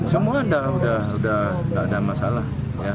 semua sudah ada masalah